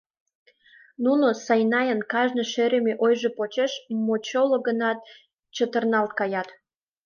Нуно Сайнайын кажне шӧрымӧ ойжо почеш мочоло-гынат чытырналт каят.